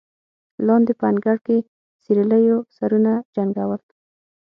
لاندې په انګړ کې سېرليو سرونه جنګول.